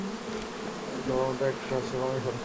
সবার মধ্যেই একটা ধর্ষকামী সত্ত্বা বিদ্যমান।